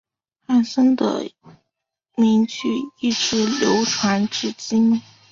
汉森的名句一直流传至今。